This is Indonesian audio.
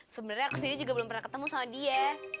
sebenarnya aku sendiri juga belum pernah ketemu sama dia